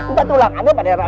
nggak tulang ane pada rantak